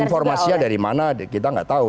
informasinya dari mana kita nggak tahu